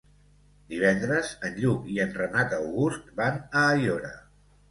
Divendres en Lluc i en Renat August van a Aiora.